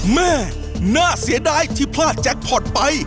แม่น่าเสียดายที่พลาดแจ็คพอร์ตไป